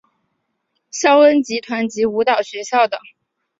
萧恩舞团及舞蹈学校等。